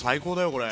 これ。